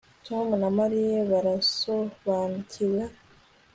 Tom na Mariya barasobanukiwe